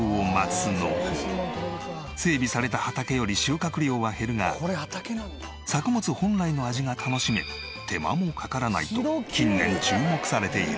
整備された畑より収穫量は減るが作物本来の味が楽しめ手間もかからないと近年注目されている。